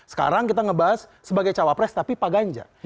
sekarang kita ngebahas sebagai cawapres tapi pak ganjar